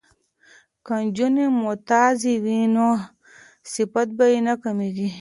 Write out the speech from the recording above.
که نجونې ممتازې وي نو صفت به نه کمیږي.